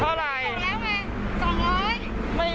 เอามา